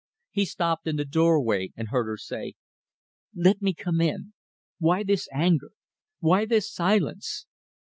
He stopped in the doorway, and heard her say "Let me come in. Why this anger? Why this silence?